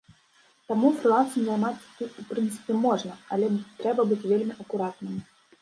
Таму, фрылансам займацца тут, у прынцыпе, можна, але трэба быць вельмі акуратным.